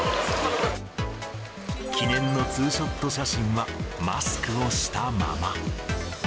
記念のツーショット写真は、マスクをしたまま。